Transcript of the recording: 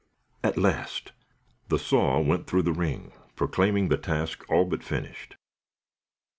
At last! The saw went through the ring, proclaiming the task all but finished.